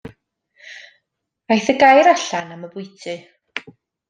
Aeth y gair allan am y bwyty.